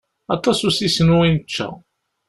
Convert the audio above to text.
Aṭas n usisnu i nečča.